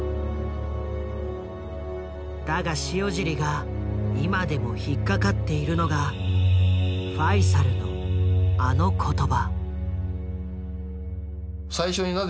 だが塩尻が今でも引っ掛かっているのがファイサルのあの言葉。